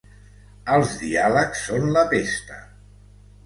Els diàlegs són la pesta!